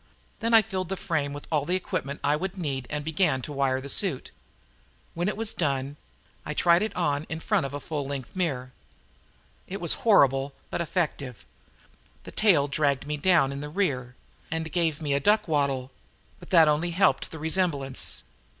Then I filled the frame with all the equipment I would need and began to wire the suit. When it was done, I tried it on in front of a full length mirror. It was horrible but effective. The tail dragged me down in the rear and gave me a duck waddle, but that only helped the resemblance.